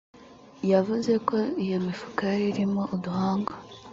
yavuze ko iyo mifuka yari irimo uduhanga